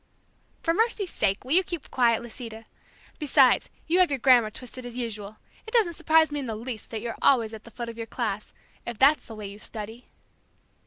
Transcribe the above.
"For mercy's sake, will you keep quiet, Lisita? Besides you have your grammar twisted as usual. It doesn't surprise me in the least that you're always at the foot of the class, if that's the way you study."